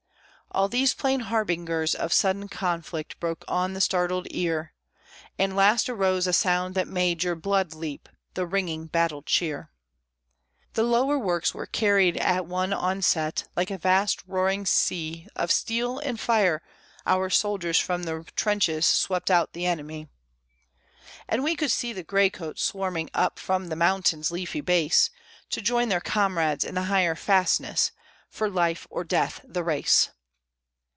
All these plain harbingers of sudden conflict broke on the startled ear; And last arose a sound that made your blood leap, the ringing battle cheer. The lower works were carried at one onset; like a vast roaring sea Of steel and fire, our soldiers from the trenches swept out the enemy; And we could see the gray coats swarming up from the mountain's leafy base, To join their comrades in the higher fastness, for life or death the race!